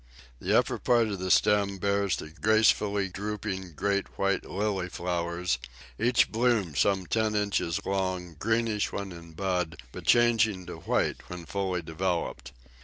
The upper part of the stem bears the gracefully drooping great white Lily flowers, each bloom some ten inches long, greenish when in bud, but changing to white when fully developed.